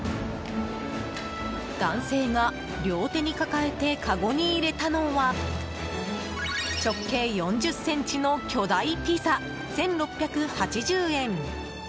男性が両手に抱えてかごに入れたのは直径４０ｃｍの巨大ピザ１６８０円。